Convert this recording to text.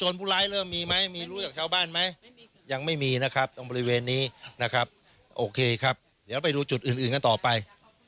ส่วนผู้ร้ายเริ่มมีไหมมีรู้จากชาวบ้านไหมยังไม่มีนะครับตรงบริเวณนี้นะครับโอเคครับเดี๋ยวไปดูจุดอื่นอื่นกันต่อไป